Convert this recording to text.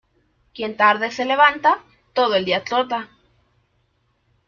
Quien tarde se levanta, todo el día trota.